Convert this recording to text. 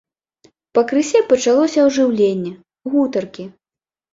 Пакрысе пачалося ажыўленне, гутаркі.